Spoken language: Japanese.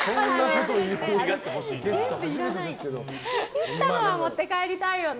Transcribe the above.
切ったのは持って帰りたいよね。